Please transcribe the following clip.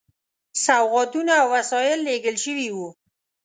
سوغاتونه او وسایل لېږل شوي دي.